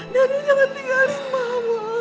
daniel jangan tinggalin mama